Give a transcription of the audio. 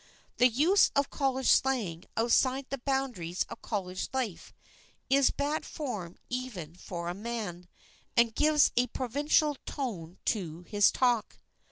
The use of college slang outside the boundaries of college life is bad form even for a man, and gives a provincial tone to his talk.